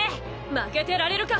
負けてられるか！